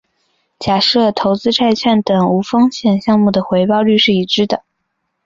假设投资债券等无风险项目的回报率是已知的。